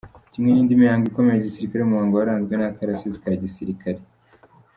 Kimwe n’ indi mihango ikomeye ya gisirikare uyu muhango waranzwe n’ akarasisi ka gisirikare.